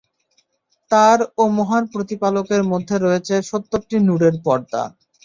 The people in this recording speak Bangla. তার ও মহান প্রতিপালকের মধ্যে রয়েছে সত্তরটি নূরের পর্দা।